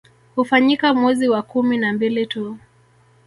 Hufanyika mwezi wa kumi na mbili tu